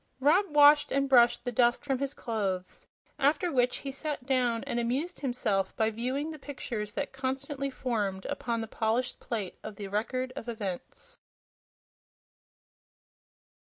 Rob washed and brushed the dust from his clothes, after which he sat down and amused himself by viewing the pictures that constantly formed upon the polished plate of the Record of Events.